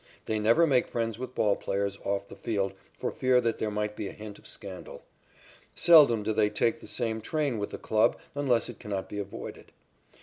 They never make friends with ball players off the field for fear that there might be a hint of scandal. Seldom do they take the same train with a club unless it cannot be avoided.